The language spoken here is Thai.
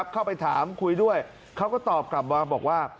เข้าไปถามคุยด้วยเขาก็ตอบกลับมาบอกว่า